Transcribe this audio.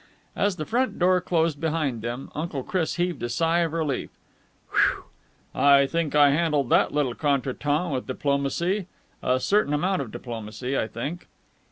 As the front door closed behind them, Uncle Chris heaved a sigh of relief. "Whew! I think I handled that little contretemps with diplomacy! A certain amount of diplomacy, I think!"